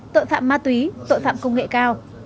tội phạm ma túy tội phạm công nghệ cao